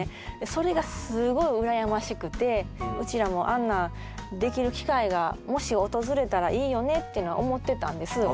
それがうちらもあんなできる機会がもし訪れたらいいよねっていうのは思ってたんです。